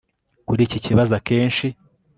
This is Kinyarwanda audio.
kuri iki kibazo akenshi